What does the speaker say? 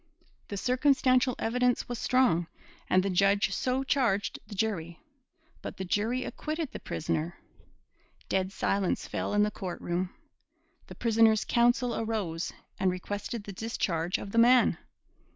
The circumstantial evidence was strong, and the judge so charged the jury. But the jury acquitted the prisoner. Dead silence fell in the court room. The prisoner's counsel arose and requested the discharge of the man.